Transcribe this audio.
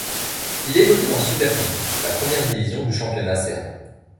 Il évolue en Superligue, la première division du championnat serbe.